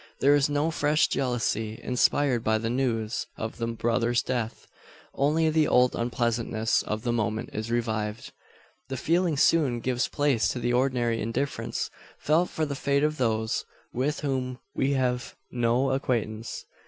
There is no fresh jealousy inspired by the news of the brother's death only the old unpleasantness for the moment revived. The feeling soon gives place to the ordinary indifference felt for the fate of those with whom we have no acquaintance.